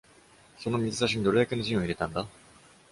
その水差しにどれだけのジンを入れたんだ？